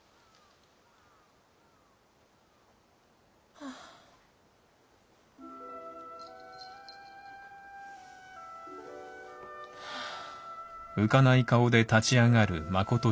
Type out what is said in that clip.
はあ。はあ。